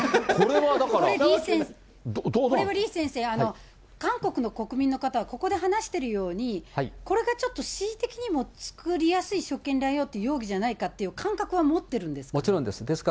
これは李先生、韓国の国民の方は、ここで話しているように、これがちょっと恣意的にも作りやすい職権乱用っていう容疑じゃないかっていう感覚は持ってるんですか？